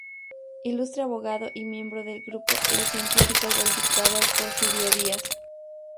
Ilustre abogado y miembro del grupo Los Científicos del dictador Porfirio Díaz.